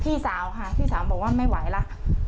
พี่สาวค่ะพี่สาวบอกว่าไม่ไหวแล้ว